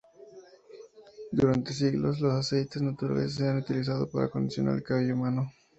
Durante siglos, los aceites naturales se han utilizado para acondicionar el cabello humano.